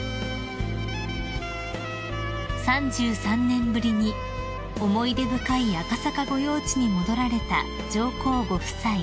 ［３３年ぶりに思い出深い赤坂御用地に戻られた上皇ご夫妻］